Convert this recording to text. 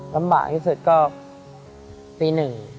ลำบากที่สุดก็ปี๑